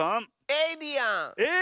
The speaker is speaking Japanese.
エイリアン。